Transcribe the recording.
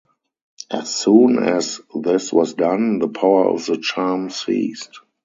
As soon as this was done, the power of the charm ceased.